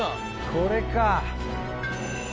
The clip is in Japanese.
これか。